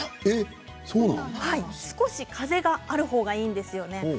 少し風があるほうがいいんですよね。